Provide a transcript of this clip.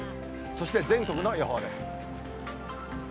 そして、全国の予報です。